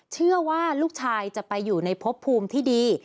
เชื่อว่าลูกชายจะไปอยู่ในพบภูมิที่ดี